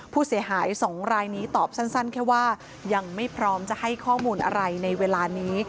ผู้เสียหาย๒รายนี้ตอบสั้นแค่ว่ายังไม่พร้อมจะให้ข้อมูลอะไรในเวลานี้